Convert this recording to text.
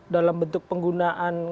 dalam bentuk penggunaan